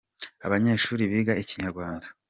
abanyeshuri biga ikinyarwanda